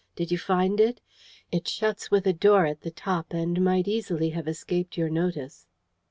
Did you find it? It shuts with a door at the top, and might easily have escaped your notice."